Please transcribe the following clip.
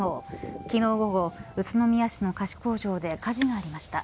昨日午後、宇都宮市の菓子工場で火事がありました。